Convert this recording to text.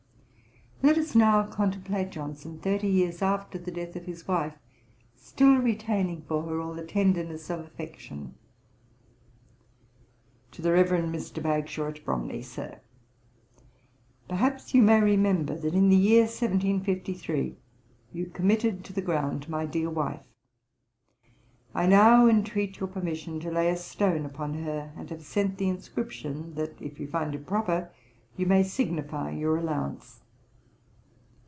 Let us now contemplate Johnson thirty years after the death of his wife, still retaining for her all the tenderness of affection. 'TO THE REVEREND MR. BAGSHAW, AT BROMLEY. 'SIR, 'Perhaps you may remember, that in the year 1753, you committed to the ground my dear wife. I now entreat your permission to lay a stone upon her; and have sent the inscription, that, if you find it proper, you may signify your allowance.